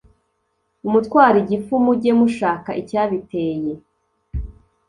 umutwaro igifu mujye mushaka icyabiteye